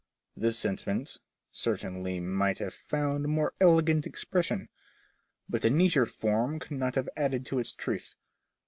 This sentiment certainly might have found a more elegant expression ; but a neater form could not have added to its truth.